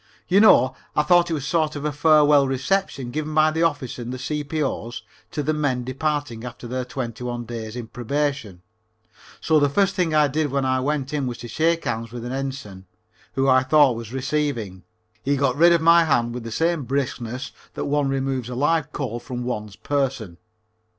You know, I thought it was a sort of a farewell reception given by the officers and the C.P.O.'s to the men departing after their twenty one days in Probation, so the first thing I did when I went in was to shake hands with an Ensign, who I thought was receiving. He got rid of my hand with the same briskness that one removes a live coal from one's person.